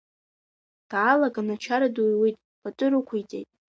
Даалаган ачара ду иуит, пату рықәиҵеит.